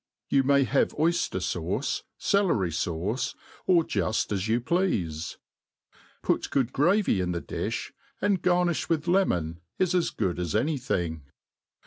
You may have oyfter fauce, eellery fauce, or jufl as you pleafe; put good gravy in the difb, and garnifh with lemon, is as good as any thing.